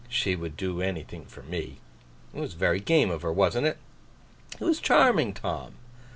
She would do anything for me. It was very game of her, wasn't it?' 'It was charming, Tom!